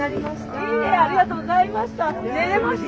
いいえありがとうございました。